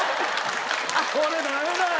これダメだ！